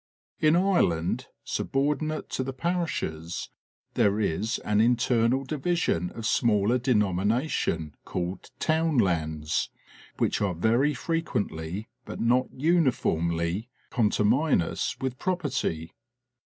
In Ireland, subordinate to the parishes, there is an internal division of smaller denomination called townlands, which are very frequently, but not uniformly, conterminous with property.